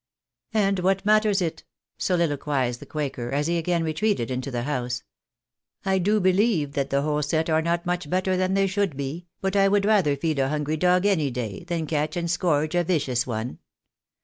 " And what matters it ?" soliloquised the quaker, as he again retreated into the house. " I do believe that the whole set are not much better than they should be, but I would rather feed a hungry dog any day, than catch and scourge a vicious one.